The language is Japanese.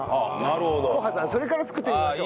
こはさんそれから作ってみましょう。